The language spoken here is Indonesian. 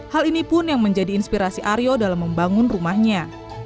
hal ini pun yang menjadi inspirasi aryo dalam membangun rumahnya